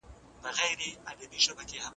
هغو وژلي هغوی تباه کړو